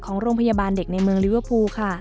ของโรงพยาบาลเด็กในเมืองลิเวอร์พูลค่ะ